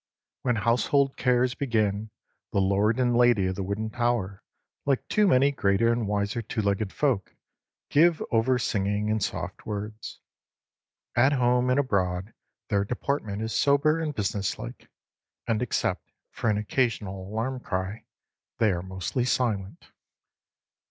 When household cares begin, the lord and lady of the wooden tower, like too many greater and wiser two legged folk, give over singing and soft words. At home and abroad their deportment is sober and business like, and except for an occasional alarm cry they are mostly silent.